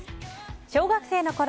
小学生のころ